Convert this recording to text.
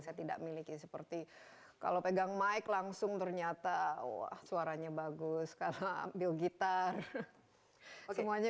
saya tidak miliki seperti kalau pegang mike langsung ternyata suaranya bagus karena ambil gitar semuanya